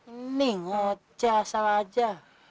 ini ngocah salah aja